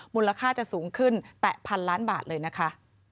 มูลค่าจะสูงขึ้นแต่พันล้านบาทเลยนะคะ